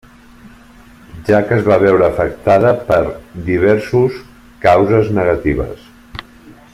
Ja que es va veure afectada per diversos causes negatives.